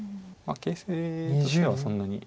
形勢としてはそんなに。